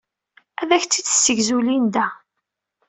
Ad ak-t-id-tessegzu Linda.